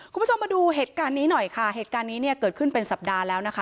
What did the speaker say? คุณผู้ชมมาดูเหตุการณ์นี้หน่อยค่ะเหตุการณ์นี้เนี่ยเกิดขึ้นเป็นสัปดาห์แล้วนะคะ